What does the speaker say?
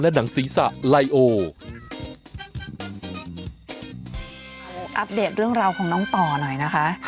เอาอัปเดตเรื่องราวของน้องต่อหน่อยนะคะ